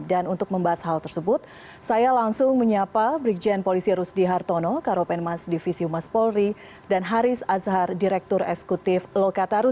dan untuk membahas hal tersebut saya langsung menyapa brigjen polisi rusdi hartono karopenmas divisi umas polri dan haris azhar direktur esekutif lokatarus